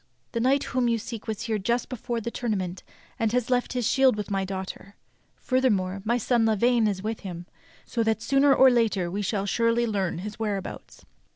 The knight whom you seek was here just before the tournament and left his shield with my daughter. Furthermore, my son Lavaine is with him, so that sooner or later we shall surely learn his where abouts."